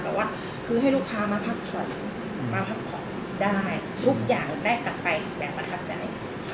แต่ว่าคือให้ลูกค้ามาพักผ่อนมาพักผ่อนได้ทุกอย่างได้กลับไปแบบประทับใจ